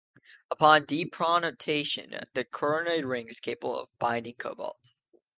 Upon deprotonation, the corrinoid ring is capable of binding cobalt.